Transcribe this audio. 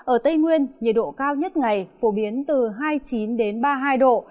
ở tây nguyên nhiệt độ cao nhất ngày phổ biến từ hai mươi chín ba mươi hai độ